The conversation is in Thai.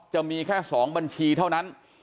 จะมีแค่๒บัญชีเท่านั้น